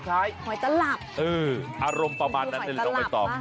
หอยตะหลับดูหอยตะหลับล่ะอืออารมณ์ประมาณนั้นเราไปต่อ